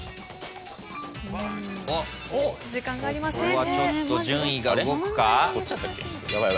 ここはちょっと順位が動くか？